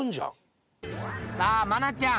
さあ愛菜ちゃん